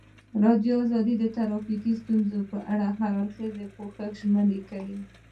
ازادي راډیو د ټرافیکي ستونزې په اړه د هر اړخیز پوښښ ژمنه کړې.